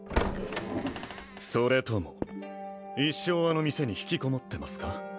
それとも一生あの店に引きこもってますか？